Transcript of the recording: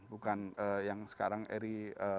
bukan yang sekarang eri